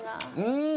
うん。